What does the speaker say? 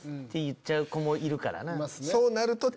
言っちゃう子もいるからな。